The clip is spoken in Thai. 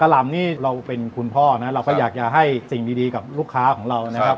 ลำนี่เราเป็นคุณพ่อนะเราก็อยากจะให้สิ่งดีกับลูกค้าของเรานะครับ